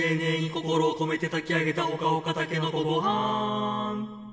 「心をこめてたき上げたほかほかたけのこごはん！」